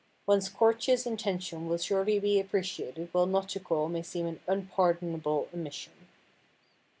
One's courteous intention will surely be appreciated while not to call may seem an unpardonable omission.